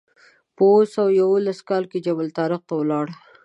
په اوه سوه یوولس کال کې جبل الطارق ته لاړ.